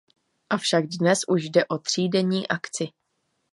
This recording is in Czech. Avšak dnes už jde o třídenní akci.